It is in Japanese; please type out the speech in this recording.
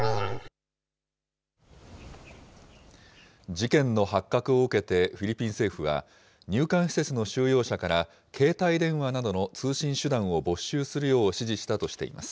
事件の発覚を受けてフィリピン政府は、入管施設の収容者から携帯電話などの通信手段を没収するよう指示したとしています。